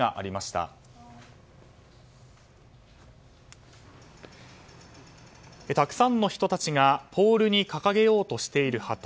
たくさんの人たちがポールに掲げようとしている旗